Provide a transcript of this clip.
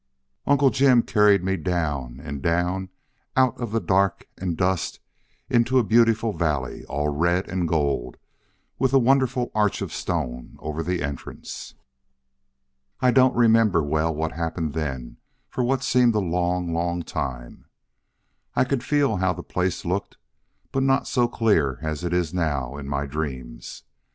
"Uncle Jim carried me down and down out of the dark and dust into a beautiful valley all red and gold, with a wonderful arch of stone over the entrance. "I don't remember well what happened then for what seemed a long, long time. I can feel how the place looked, but not so clear as it is now in my dreams.